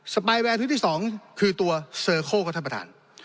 สปายแวร์ที่สิบที่สองคือตัวท่านประธาน